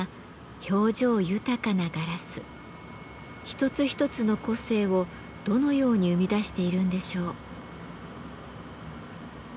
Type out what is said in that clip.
一つ一つの個性をどのように生み出しているんでしょう？